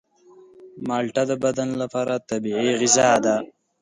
مالټه د بدن لپاره طبیعي غذا ده.